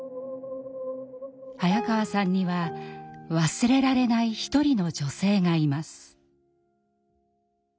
早川さんには忘れられない一人の女性がいます。